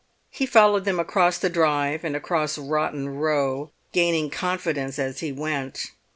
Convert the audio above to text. He followed them across the drive and across Rotten Row, gaining confidence as he went.